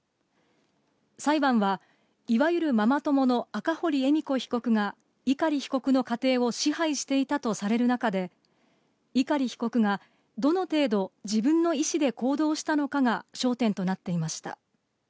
裁判は、いわゆるママ友の赤堀恵美子被告が碇被告の家庭を支配していたとされる中で、碇被告がどの程度、自分の意思で行動したのかが焦点となっていました。